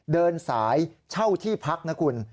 เดินสายเช่าที่พักนะคุณ